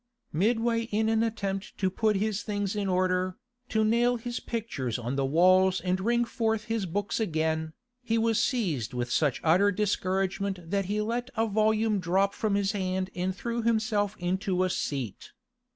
Midway in an attempt to put his things in order, to nail his pictures on the walls and bring forth his books again, he was seized with such utter discouragement that he let a volume drop from his hand and threw himself into a seat.